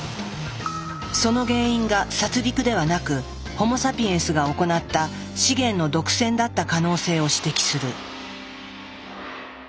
その原因が殺戮ではなくホモ・サピエンスが行った資源の独占だった可能性を指摘する。